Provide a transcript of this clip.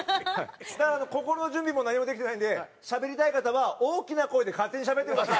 だから心の準備も何もできてないんでしゃべりたい方は大きな声で勝手にしゃべってください！